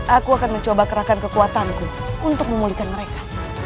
aku akan mencoba kerahkan kekuatanku untuk memulihkan mereka